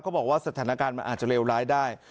บอกว่าสถานการณ์มันอาจจะเลวร้ายได้